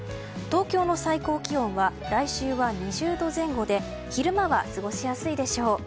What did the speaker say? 東京の最高気温は来週は２０度前後で昼間は過ごしやすいでしょう。